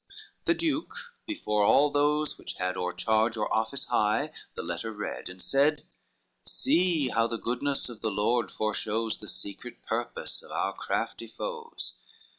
The duke before all those which had or charge Or office high, the letter read, and said: "See how the goodness of the Lord foreshows The secret purpose of our crafty foes.